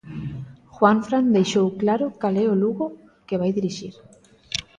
Juanfran deixou claro cal é o Lugo que vai dirixir.